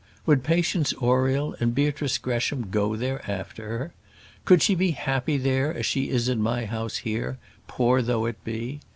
Would Patience Oriel and Beatrice Gresham go there after her? Could she be happy there as she is in my house here, poor though it be?